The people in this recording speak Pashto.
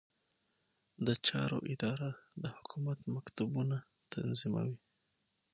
د چارو اداره د حکومت مکتوبونه تنظیموي